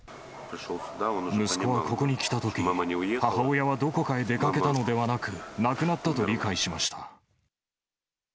息子はここに来たとき、母親はどこかへ出かけたのではなく、亡くなったと理解しました。